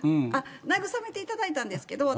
慰めていただいたんですけど、私